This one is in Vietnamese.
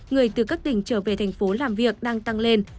người từ các tỉnh trở về thành phố làm việc đang tăng lên